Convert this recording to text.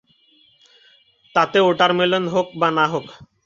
তাতে ওটারমেলন হোক বা না হোক।